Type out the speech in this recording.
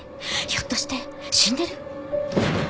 ひょっとして死んでる？